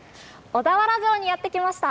小田原城にやって来ました。